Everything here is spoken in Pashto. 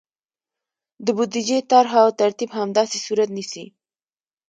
د بودیجې طرحه او ترتیب همداسې صورت نیسي.